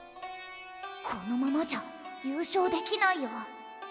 このままじゃ優勝できないよ。